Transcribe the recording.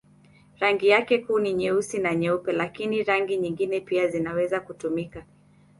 Rangi yake kuu ni nyeusi na nyeupe, lakini rangi nyingine pia zinaweza kutumika.